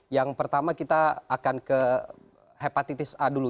yang pertama kita akan ke hepatitis a dulu